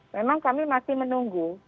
memang kami masih menunggu